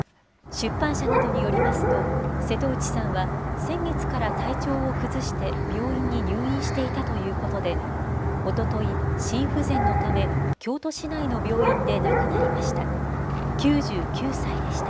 出版社などによりますと、瀬戸内さんは、先月から体調を崩して病院に入院していたということで、おととい、心不全のため、京都市内の病院で亡くなりました。